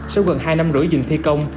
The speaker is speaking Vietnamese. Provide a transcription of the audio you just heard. sau gần hai năm rưỡi dừng thi công